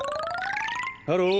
ハロー。